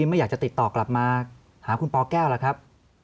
ไม่อยากจะติดต่อกลับมาหาคุณปแก้วล่ะครับ